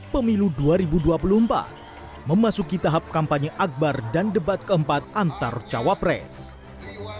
pemilu dua ribu dua puluh empat memasuki tahap kampanye akbar dan debat keempat antar cawapres